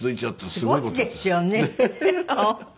すごいですよね本当。